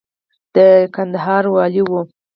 د کندهار والي و.